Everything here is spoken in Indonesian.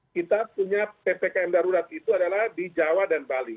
kita punya ppkm darurat itu adalah di jawa dan bali